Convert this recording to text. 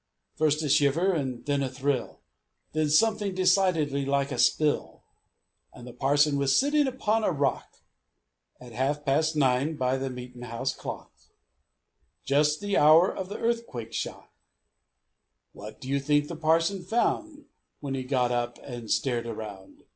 First a shiver, and then a thrill, Then something decidedly like a spill And the parson was sitting upon a rock, At half past nine by the meet'n' house clock Just the hour of the Earthquake shock! What do you think the parson found, When he got up and stared around?